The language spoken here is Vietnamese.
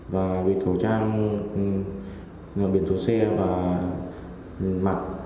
và bịt khẩu trang biển số xe và mặt